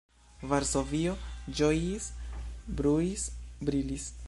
Varsovio ĝojis, bruis, brilis.